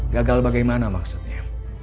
gagal bagaimana maksudnya